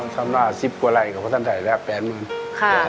อ๋อภาษาศิพป์ก็ไรนะทำหน้าถึง๘๐๐๐๐กว่า